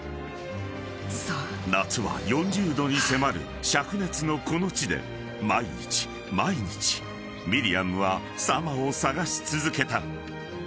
［夏は４０℃に迫る灼熱のこの地で毎日毎日ミリアムはサマを捜し続けた］